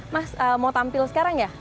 mas mau tampil sekarang ya